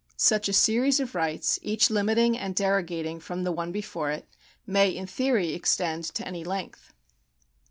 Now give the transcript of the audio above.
Such a series of rights, each limiting and derogating from the one before it, may in theory extend to any length.